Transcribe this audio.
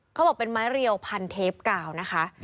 เขาบอกเป็นไม้เรียวพันเทปกาวนะคะ